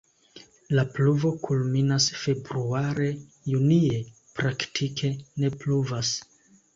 La pluvo kulminas februare, junie praktike ne pluvas.